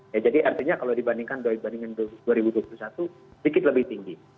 ya jadi artinya kalau dibandingkan dua ribu dua puluh satu sedikit lebih tinggi